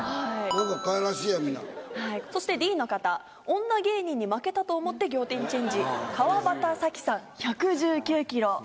そしてＤの方「女芸人に負けたと思って仰天チェンジ」川端紗希さん１１９ｋｇ。